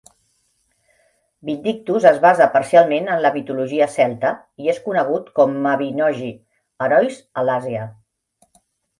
Vindictus es basa parcialment en la mitologia celta, i és conegut com a Mabinogi: herois a l'Àsia.